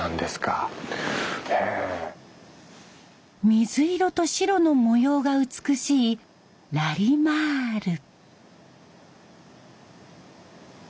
水色と白の模様が美しいラリマール。